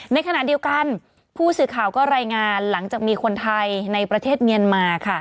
ในขณะเดียวกันผู้สื่อข่าวก็รายงานหลังจากมีคนไทยในประเทศเมียนมาค่ะ